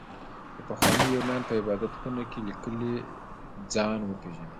د پخواني يونان په عبادت خونه کې ليکلي ځان وپېژنئ.